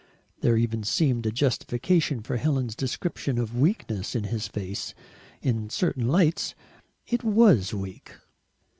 There even seemed a justification for Helen's description of weakness in his face in certain lights it WAS weak.